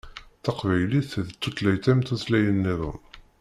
Taqbaylit d tutlayt am tutlayin-nniḍen.